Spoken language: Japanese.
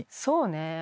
そうね。